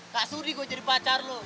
gak sudi gue jadi pacar lu